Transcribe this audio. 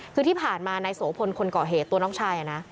คือที่ผ่านมานายโสพลคนก่อเหตุตัวน้องชายนะ